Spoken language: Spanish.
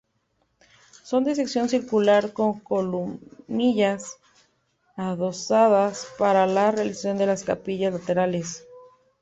Son de sección circular con columnillas adosadas para la realización de las capillas laterales.